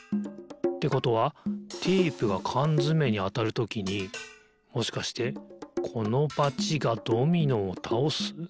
ってことはテープがかんづめにあたるときにもしかしてこのバチがドミノをたおす？